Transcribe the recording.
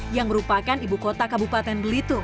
yang merupakan ibu perempuan